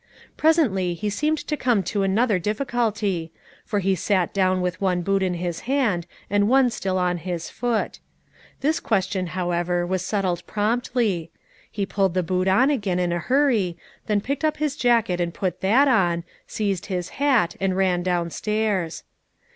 Presently he seemed to come to another difficulty, for he sat down with one boot in his hand and one still on his foot. This question, however, was settled promptly: he pulled the boot on again in a hurry, then picked up his jacket and put that on, seized his hat, and ran down stairs.